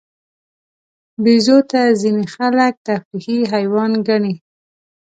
بیزو ته ځینې خلک تفریحي حیوان ګڼي.